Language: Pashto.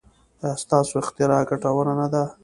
ایا ستاسو اختراع ګټوره نه ده؟